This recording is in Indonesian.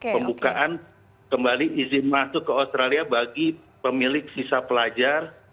pembukaan kembali izin masuk ke australia bagi pemilik sisa pelajar